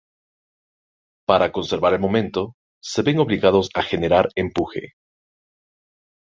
Para conservar el momento, se ven obligados a generar empuje.